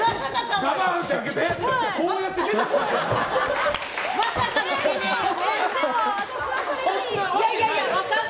こうやって出てこないから！